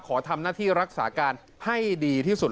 ขอทำหน้าที่รักษาการให้ดีที่สุด